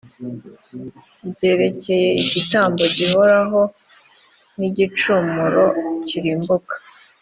ryerekeye igitambo gihoraho t n igicumuro kirimbura